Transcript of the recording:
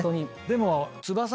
でも。